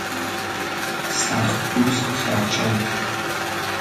سختپوست خرچنگ